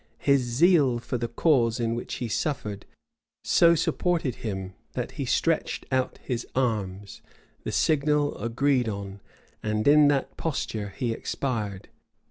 His zeal for the cause in which he suffered so supported him that he stretched out his arms, the signal agreed on; and in that posture he expired.